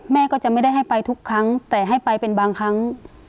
แม่ก็จะไม่ได้ให้ไปทุกครั้งแต่ให้ไปเป็นบางครั้ง